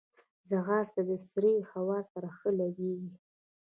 ځغاسته د سړې هوا سره ښه لګیږي